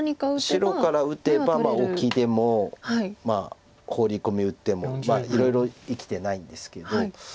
白から打てばオキでもホウリコミ打ってもいろいろ生きてないんですけど。